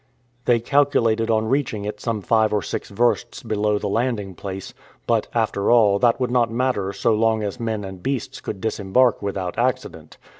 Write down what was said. They calculated on reaching it some five or six versts below the landing place; but, after all, that would not matter so long as men and beasts could disembark without accident.